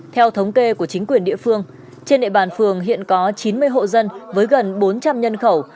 theo thống kê của chính quyền địa phương trên địa bàn phường hiện có chín mươi hộ dân với gần bốn trăm linh nhân khẩu